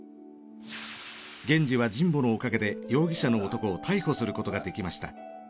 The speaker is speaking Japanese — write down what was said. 源次は神保のおかげで容疑者の男を逮捕することができました。